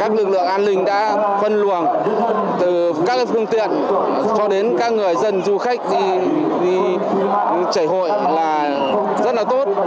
các lực lượng an ninh đã phân luồng từ các phương tiện cho đến các người dân du khách đi chảy hội là rất là tốt